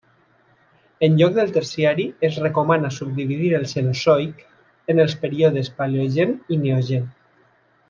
En lloc del Terciari, es recomana subdividir el Cenozoic en els períodes Paleogen i Neogen.